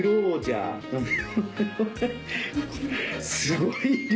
すごい量！